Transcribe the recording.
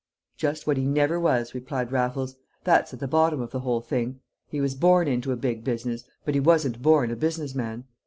"Just what he never was," replied Raffles; "that's at the bottom of the whole thing. He was born into a big business, but he wasn't born a business man.